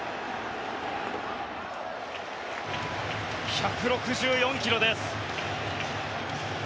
１６４ｋｍです。